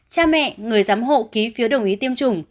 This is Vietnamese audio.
cha mẹ người giám hộ ký phiếu đồng ý tiêm chủng